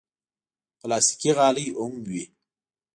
پلاستيکي غالۍ هم وي.